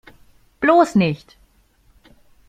Bloß nicht!